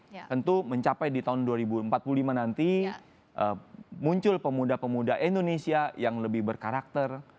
tentu mencapai di tahun dua ribu empat puluh lima nanti muncul pemuda pemuda indonesia yang lebih berkarakter